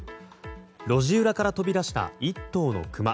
路地裏から飛び出した１頭のクマ。